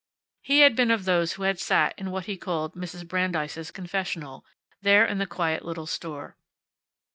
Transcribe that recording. He had been of those who had sat in what he called Mrs. Brandeis's confessional, there in the quiet little store.